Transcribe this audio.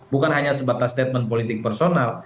bukan hanya sebatas statement politik personal